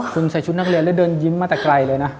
คุณใส่ชุดนักเรียนแล้วเดินยิ้มมาแต่ไกลเลยนะ